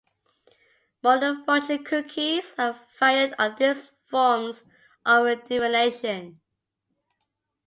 Modern fortune cookies are a variant on these forms of divination.